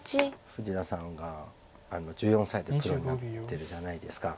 富士田さんが１４歳でプロになってるじゃないですか。